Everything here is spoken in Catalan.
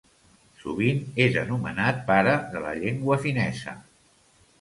Sovint és anomenat pare de la llengua finesa.